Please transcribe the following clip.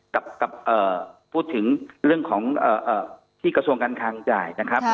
กับพูดถึงเรื่องของที่กระทรวงการคังจ่ายนะครับ